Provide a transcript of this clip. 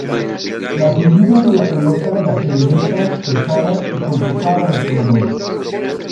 Las medidas de la pelota la hacían lenta, pesada y complicaba a los jugadores.